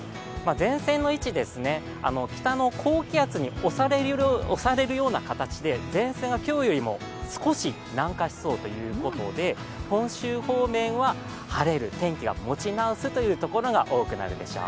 前線の位置ですね、北の高気圧に押されるような形で前線が今日よりも少し南下しそうということで、本州方面は晴れる、天気が持ち直す所が多くなるでしょう。